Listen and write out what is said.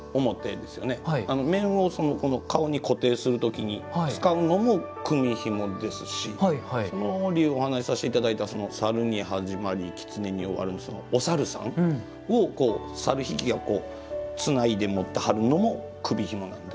面を顔に固定する時に使うのも組みひもですしその折お話しさせて頂いた「猿に始まり狐に終わる」のお猿さんを猿引がこうつないで持ってはるのも組みひもなんで。